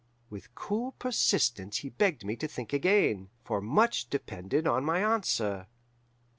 With cool persistence he begged me to think again, for much depended on my answer.